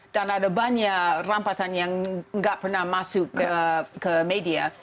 dan ada banyak rampasan yang tidak pernah masuk ke media